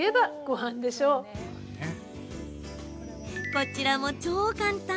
こちらも超簡単。